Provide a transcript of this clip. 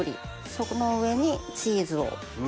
その上にチーズを。